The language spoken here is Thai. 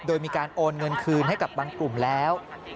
โดยมีการโอนเงินคืนให้กับบางกลุ่มแล้ว